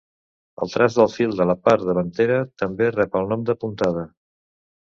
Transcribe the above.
El traç del fil de la part davantera també rep el nom de "puntada".